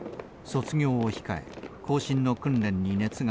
卒業を控え行進の訓練に熱が入る